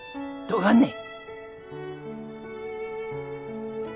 どがんね？